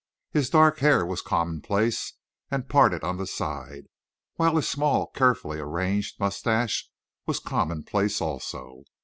His dark hair was commonplace, and parted on the side, while his small, carefully arranged mustache was commonplace also.